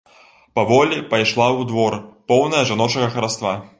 Паволi пайшла ў двор, поўная жаночага хараства.